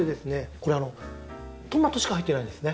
これトマトしか入ってないんですね。